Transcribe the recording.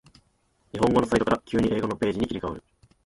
日本語のサイトから急に英語のページに切り替わる